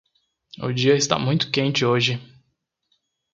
O dia está muito quente hoje.